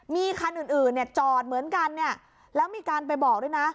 มีคันอื่นเนี่ยจอดเหมือนกันเนี่ยแล้วมีการไปบอกด้วยนะ